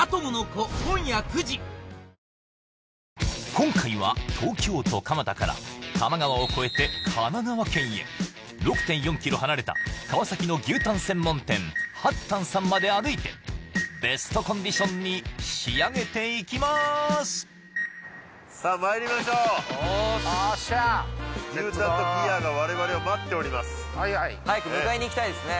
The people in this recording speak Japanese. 今回は東京都蒲田から多摩川を越えて神奈川県へ６．４ｋｍ離れた川崎の牛タン専門店八たんさんまで歩いてベストコンディションに仕上げていきまーすさあまいりましょうおーし牛タンとビアーが我々を待っております早く迎えに行きたいですね